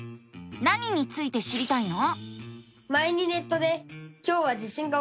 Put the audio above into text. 何について知りたいの？